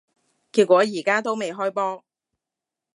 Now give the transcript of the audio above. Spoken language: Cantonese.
結果而家都未開波